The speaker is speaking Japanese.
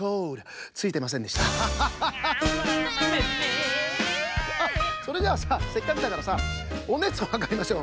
あっそれじゃあさせっかくだからさおねつはかりましょう